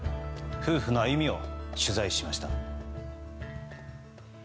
夫婦の歩みを取材しました。